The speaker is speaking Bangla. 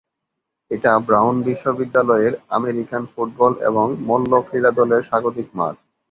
এটা ব্রাউন বিশ্ববিদ্যালয়ের আমেরিকান ফুটবল এবং মল্লক্রীড়া দলের স্বাগতিক মাঠ।